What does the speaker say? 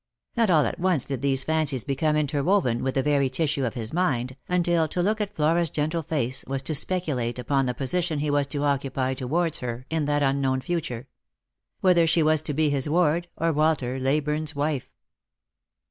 Not all at once did these fancies become interwoven with the very tissue of his mind, until to look at Flora's gentle face was to speculate upon the position he was to occupy towards her in that unknown future — whether she was to be his ward or Walter Leyburne's wife